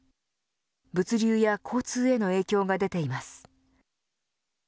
物流や交通への影響が出ています。